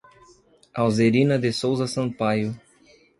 Alzerina de Souza Sampaio